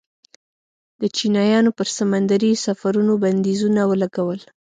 د چینایانو پر سمندري سفرونو بندیزونه ولګول.